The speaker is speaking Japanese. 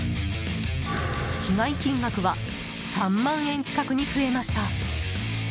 被害金額は３万円近くに増えました。